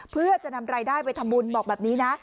เพื่อจะนำรายได้ไปทำบุญบอกแบบนี้นะ